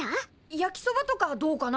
焼きそばとかどうかな？